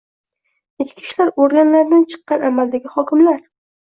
Ichki ishlar organlaridan chiqqan amaldagi hokimlar